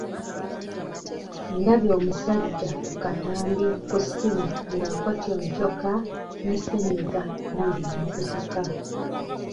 Ndabye omusajja ku katambi ku ssimu ng'akotyontyoka ne sennyinga bambi n'akutuka.